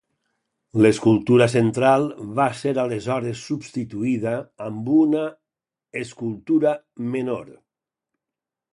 L'escultura central va ser aleshores substituïda amb una escultura menor.